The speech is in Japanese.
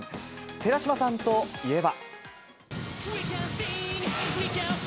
寺島さんといえば。